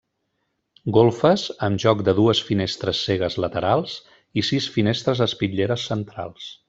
Golfes amb joc de dues finestres cegues laterals, i sis finestres espitlleres centrals.